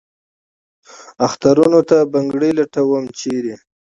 اخترونو ته بنګړي لټوم ، چېرې ؟